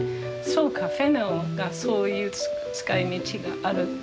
そうかフェンネルがそういう使いみちがある。